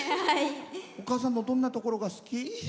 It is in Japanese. お母さんのどんなところが好き？